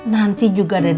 nanti juga ada dikini